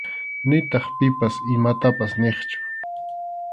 Nitaq pipas imatapas niqchu.